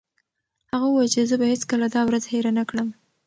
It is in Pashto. هغه وویل چې زه به هیڅکله دا ورځ هېره نه کړم.